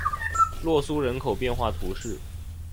洛苏人口变化图示